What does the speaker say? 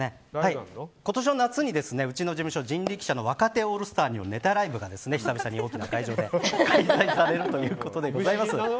今年の夏にうちの事務所、人力舎の若手オールスターによるネタライブが久々に大きな会場で開催されるということでございます。